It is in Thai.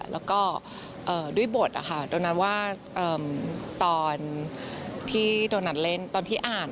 แล้วก็ด้วยบทโดนัทว่าตอนที่โดนัทเล่นตอนที่อ่าน